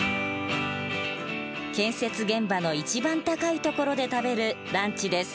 建設現場の一番高い所で食べるランチです。